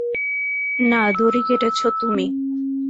না, দড়ি কেটেছো তুমি।